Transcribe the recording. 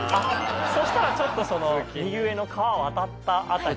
そしたらちょっとその右上の川を渡った辺り。